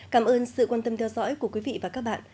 cảm ơn sự quan tâm theo dõi của quý vị và các bạn